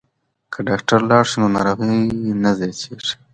که ډاکټر ته لاړ شو نو ناروغي نه زیاتیږي.